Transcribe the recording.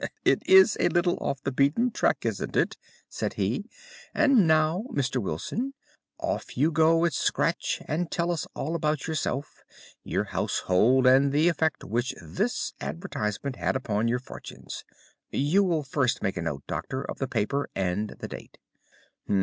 "It is a little off the beaten track, isn't it?" said he. "And now, Mr. Wilson, off you go at scratch and tell us all about yourself, your household, and the effect which this advertisement had upon your fortunes. You will first make a note, Doctor, of the paper and the date."